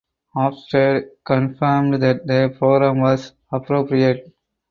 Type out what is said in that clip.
Ofsted confirmed that the programme was appropriate.